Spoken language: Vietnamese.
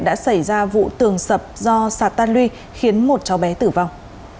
đã xảy ra vụ tường sập do sạt tan luy khiến một cháu bé tử vong